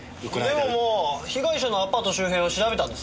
でももう被害者のアパート周辺は調べたんですよね？